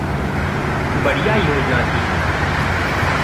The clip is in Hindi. बढ़िया योजना थी।